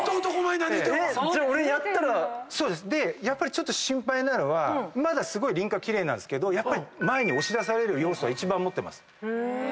ちょっと心配なのはまだ輪郭奇麗なんですけどやっぱり前に押し出される要素は一番持ってます。